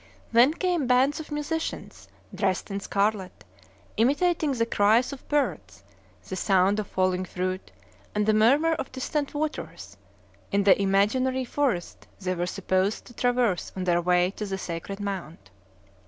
Then came bands of musicians dressed in scarlet, imitating the cries of birds, the sound of falling fruit, and the murmur of distant waters, in the imaginary forest they were supposed to traverse on their way to the Sacred Mount.